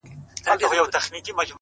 دا عجیبه شاني درد دی- له صیاده تر خیامه-